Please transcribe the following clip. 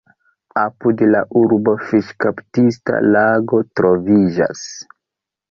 Apud la urbo fiŝkaptista lago troviĝas.